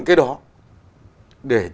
cái đó để